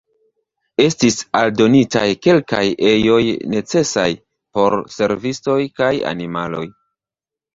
Estis aldonitaj kelkaj ejoj necesaj por servistoj kaj animaloj.